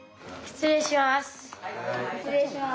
失礼します。